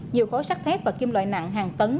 nhiều khối sắc thép và kim loại nặng hàng tấn